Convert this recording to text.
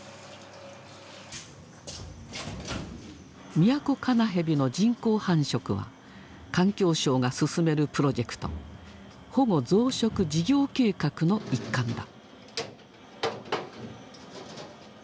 ミヤコカナヘビの人工繁殖は環境省が進めるプロジェクト「保護増殖事業計画」の一環だ。